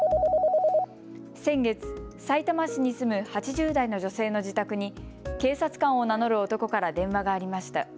先月、さいたま市に住む８０代の女性の自宅に警察官を名乗る男から電話がありました。